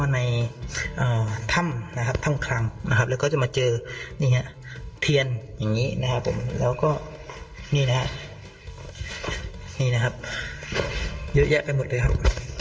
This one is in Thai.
นี่นะครับนี่นะครับเยอะแยะไปหมดเลยครับ